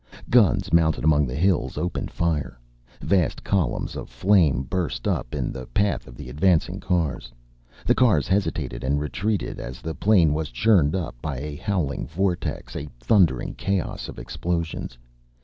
Guns mounted among the hills opened fire. Vast columns of flame burst up in the path of the advancing cars. The cars hesitated and retreated, as the plain was churned up by a howling vortex, a thundering chaos of explosions.